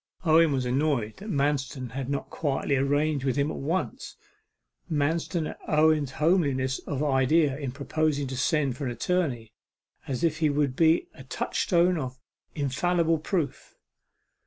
Owen was annoyed that Manston had not quietly arranged with him at once; Manston at Owen's homeliness of idea in proposing to send for an attorney, as if he would be a touchstone of infallible proof.